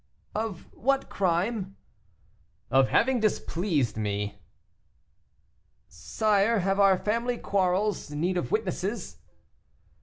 "Of what crime?" "Of having displeased me." "Sire, have our family quarrels need of witnesses?"